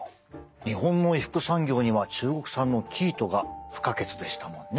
日本の衣服産業には中国産の生糸が不可欠でしたもんね。